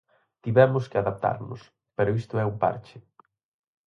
Tivemos que adaptarnos, pero isto é un parche.